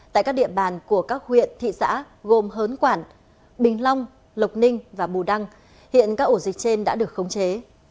tại các địa bàn của các huyện thị xã gồm hớn quản bình long lộc ninh và bù đăng hiện các ổ dịch trên đã được khống chế